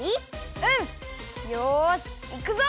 よしいくぞ！